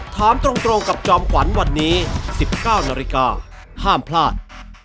ถามตรงกับจอมขวัญวันนี้๑๙นาฬิกาห้ามพลาด